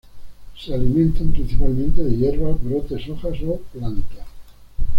Se alimentan principalmente de hierbas, brotes, hojas o plantas.